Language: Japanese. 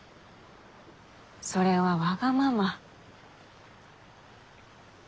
それはわがまま。